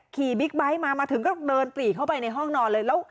บิ๊กไบท์มามาถึงก็เดินปรีเข้าไปในห้องนอนเลย